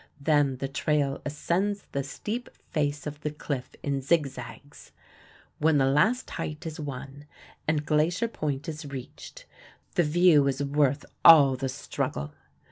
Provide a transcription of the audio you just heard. Then the trail ascends the steep face of the cliff in zig zags. When the last height is won and Glacier Point is reached, the view is worth all the struggle.